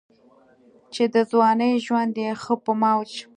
چې دَځوانۍ ژوند ئې ښۀ پۀ موج